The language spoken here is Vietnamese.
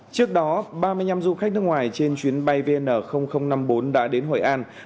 trước đó ba mươi năm du khách nước ngoài trên chuyến bay vn năm mươi bốn đã đến hội an